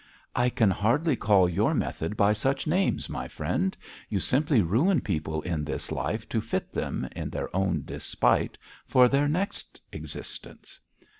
'I can hardly call your method by such names, my friend. You simply ruin people in this life to fit them, in their own despite, for their next existence.'